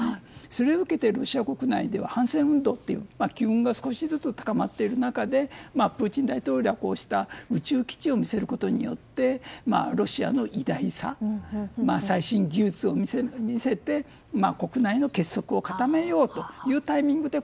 それを受けてロシア国内では反戦運動という機運が少しずつ高まっている中でプーチン大統領はこうした宇宙基地を見せることでロシアの偉大さ最新技術を見せて国内の結束を高めようというタイミングで